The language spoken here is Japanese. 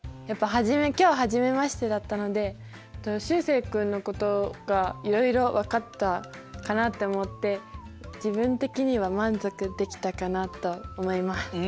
やっぱ今日初めましてだったのでしゅうせい君のことがいろいろ分かったかなって思って自分的には満足できたかなと思います。